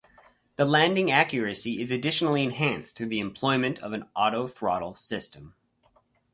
The landing accuracy is additionally enhanced through the employment of an autothrottle system.